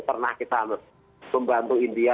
pernah kita membantu india